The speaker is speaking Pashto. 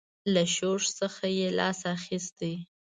له شورش څخه یې لاس اخیستی.